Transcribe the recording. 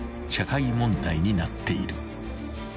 ［社会問題になっている］